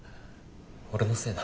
俺のせいだ。